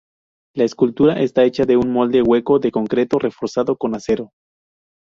La escultura está hecha de un molde hueco de concreto, reforzado con acero.